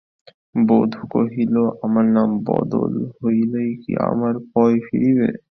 বধূ কহিল, আমার নাম বদল হইলেই কি আমার পয় ফিরিবে?